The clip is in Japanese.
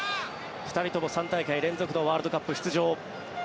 ２人とも３大会連続のワールドカップ出場。